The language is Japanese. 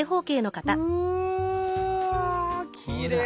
うわきれい！